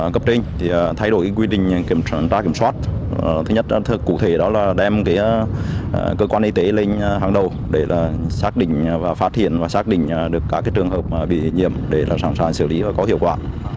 cụ thể đó là đem cơ quan y tế lên hàng đầu để xác định và phát hiện và xác định được các trường hợp bị nhiễm để sẵn sàng xử lý và có hiệu quả